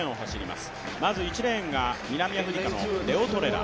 まず１レーンが南アフリカのレオトレラ。